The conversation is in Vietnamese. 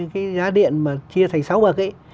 cái giá điện mà chia thành sáu bậc ấy